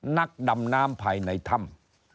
นักดำน้ำภายในถ้ำ